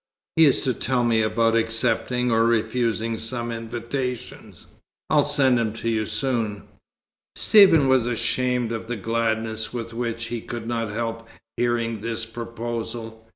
He is to tell me about accepting or refusing some invitations. I'll send him to you soon." Stephen was ashamed of the gladness with which he could not help hearing this proposal.